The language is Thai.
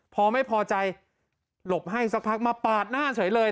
พอไม่พอใจหลบให้สักพักมาปาดหน้าเฉยเลย